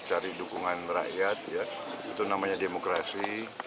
mencari dukungan rakyat itu namanya demokrasi